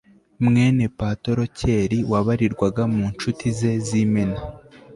mwene patorokeli wabarirwaga mu ncuti ze z'imena